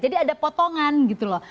jadi ada potongan gitu loh